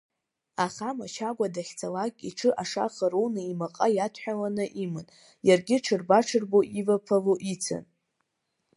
Аха мачагәа дахьцалакь иҽы ашаха роуны имаҟа иадҳәаланы иман, иаргьы ҽырба-ҽырбо иваԥало ицын.